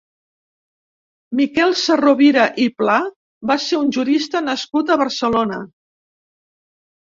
Miquel Sarrovira i Pla va ser un jurista nascut a Barcelona.